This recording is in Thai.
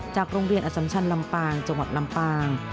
โรงเรียนอสัมชันลำปางจังหวัดลำปาง